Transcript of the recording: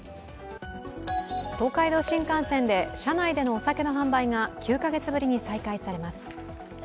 東海道新幹線で車内でのお酒の販売が９カ月ぶりに再開されます。